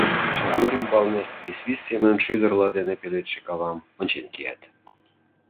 Шернур ӱмбалне висвис семын шӱдырла дене пеледше кавам ончен каят.